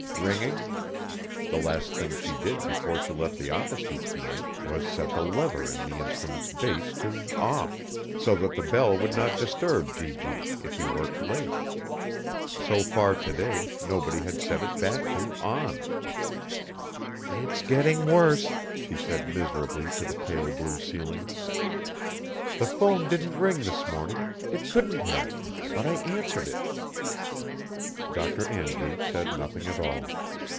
Ringing? The last thing she did before she left the office each night was set the lever in the instrument's base to "off," so that the bell would not disturb G.G. if he worked late. So far today, nobody had set it back to "on." "It's getting worse," she said miserably to the pale blue ceiling. "The phone didn't ring this morning it couldn't have but I answered it." Dr. Andrews said nothing at all.